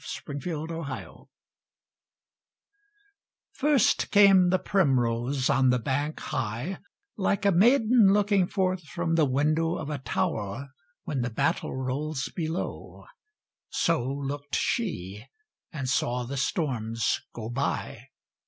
SPRING'S PROCESSION First came the primrose, On the bank high, Like a maiden looking forth From the window of a tower When the battle rolls below, So look'd she, And saw the storms go by.